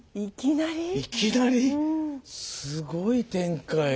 いきなりすごい展開。